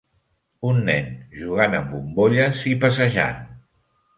Un nen jugant amb bombolles i passejant.